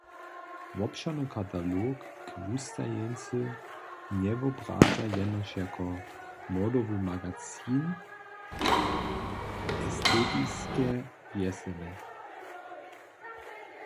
Wobšěrny katalog k wustajeńcy njewobradźa jenož jako modowy magacin estetiske wjesele.